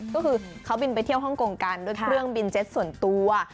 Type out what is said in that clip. ก็คือเขาบินไปเที่ยวฮ่องกงกันด้วยเครื่องบินเจ็ตส่วนตัว